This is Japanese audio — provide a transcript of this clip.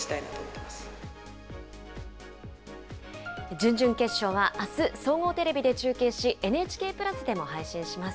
準々決勝はあす総合テレビで中継し、ＮＨＫプラスでも配信します。